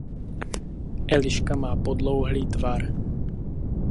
Eliška má podlouhlý tvar.